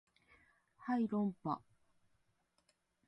はい論破